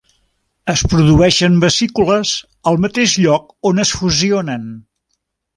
Es produeixen vesícules al mateix lloc on es fusionen.